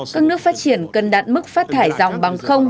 các nước phát triển cần đạt mức phát thải dòng bằng không